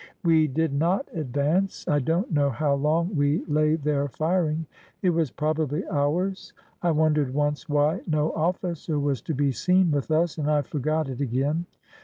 We did not advance. I don't know how long we lay there firing. It was probably hours. I wondered once why no officer was to be seen with us, and I forgot it again.